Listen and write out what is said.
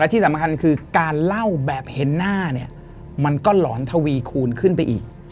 ที่สำคัญคือการเล่าแบบเห็นหน้าเนี่ยมันก็หลอนทวีคูณขึ้นไปอีก